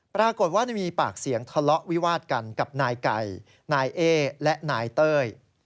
ปรากฏว่ามีปากเสียงทะเลาะวิวาดกันกับนายไก่นายเอ๊และนายเต้ย